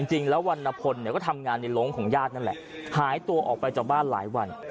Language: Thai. จริงแล้ววันนพลเนี่ยก็ทำงานในโรงของญาตินั่นแหละหายตัวออกไปจากบ้านหลายวัน